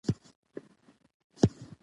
لمسی د نیکه دعا ته “امین” وایي.